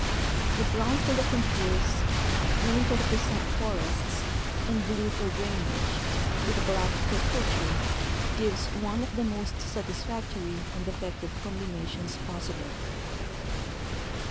The brown for the contours, green to represent forests, and blue for drainage, with black for culture, gives one of the most satisfactory and effective combinations possible.